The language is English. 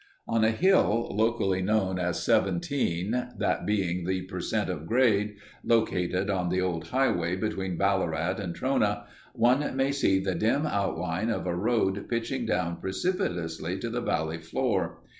On a hill, locally known as "Seventeen"—that being the per cent of grade, located on the old highway between Ballarat and Trona, one may see the dim outline of a road pitching down precipitously to the valley floor.